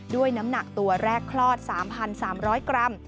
น้ำหนักตัวแรกคลอด๓๓๐๐กรัม